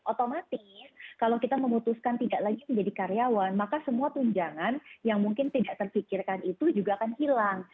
otomatis kalau kita memutuskan tidak lagi menjadi karyawan maka semua tunjangan yang mungkin tidak terpikirkan itu juga akan hilang